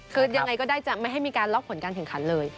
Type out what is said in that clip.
คือยังไงก็ได้จะไม่ให้มีการล็อกผลการแข่งขันเลย